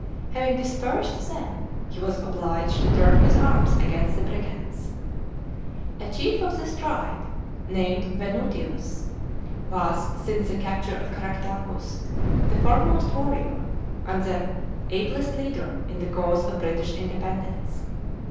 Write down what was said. Having dispersed them, he was olliged to turn his arms against the Brigantes. A chief of this tribe named Venutius, was, since the capture of Caractacus, the foremost warrior and the a1 lest leader in the cause of British independence.